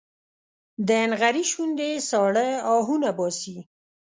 د نغري شوندې ساړه اهونه باسي